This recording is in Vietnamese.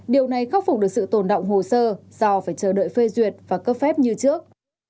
điều này khắc phục được sự tồn động hồ sơ do phải chờ đợi phê duyệt và cấp phép như trước